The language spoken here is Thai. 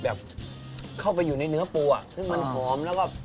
โอ้โหคุณกินไปแล้วครับ